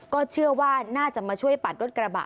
ก็เชื่อว่าน่าจะมาช่วยปัดรถกระบะ